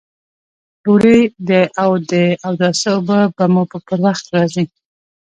ډوډۍ او د اوداسه اوبه به مو پر وخت راځي!